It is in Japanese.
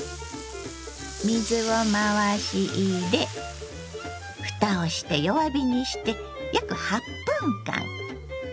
水を回し入れ蓋をして弱火にして約８分間。